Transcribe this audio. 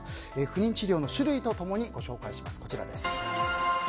不妊治療の種類と共にご紹介します。